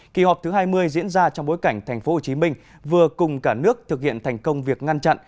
kỳ họp thứ hai mươi diễn ra trong bối cảnh tp hcm vừa cùng cả nước thực hiện thành công việc ngăn chặn